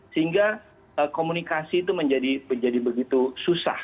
sehingga komunikasi itu menjadi begitu susah